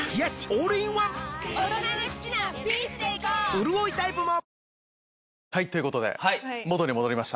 うるおいタイプもということで元に戻りました。